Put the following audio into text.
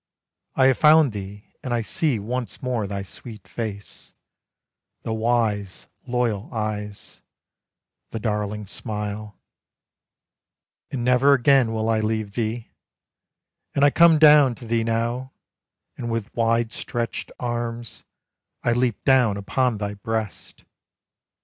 I have found thee, and I see once more Thy sweet face, The wise, loyal eyes, The darling smile, And never again will I leave thee, And I come down to thee now, And with wide stretched arms, I leap down upon thy breast.